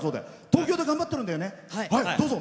東京で頑張ってるんだよね。